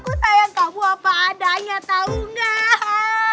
aku sayang kamu apa adanya tau gak